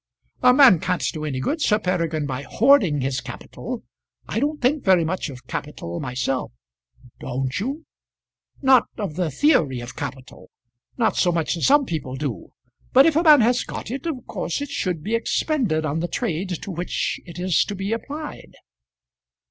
"A man can't do any good, Sir Peregrine, by hoarding his capital. I don't think very much of capital myself " "Don't you?" "Not of the theory of capital; not so much as some people do; but if a man has got it, of course it should be expended on the trade to which it is to be applied."